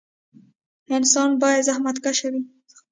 انسان باید زخمتکشه وي